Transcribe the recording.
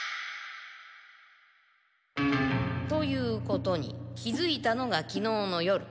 ということに気づいたのがきのうの夜。